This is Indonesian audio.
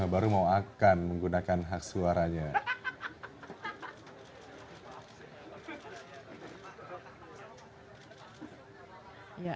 baru mau akan menggunakan hak suaranya